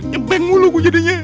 nyempeng mulu gue jadinya